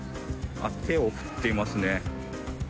手を振っていますね。